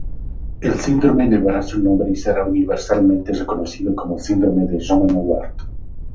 El síndrome llevará su nombre y será universalmente reconocido como síndrome de Romano-Ward.